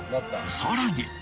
［さらに］